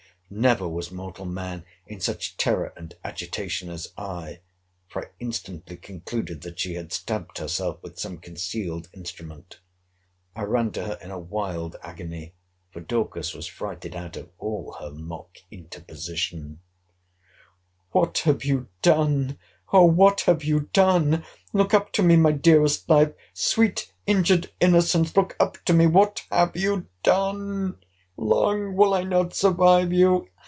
Never was mortal man in such terror and agitation as I; for I instantly concluded, that she had stabbed herself with some concealed instrument. I ran to her in a wild agony—for Dorcas was frighted out of all her mock interposition—— What have you done!—O what have you done!—Look up to me, my dearest life!—Sweet injured innocence, look up to me! What have you done!—Long will I not survive you!